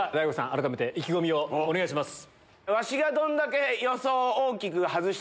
改めて意気込みをお願いします。